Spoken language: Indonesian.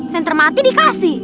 senter mati dikasih